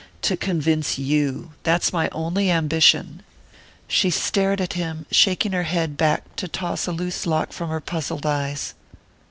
"To convince you that's my only ambition." She stared at him, shaking her head back to toss a loose lock from her puzzled eyes.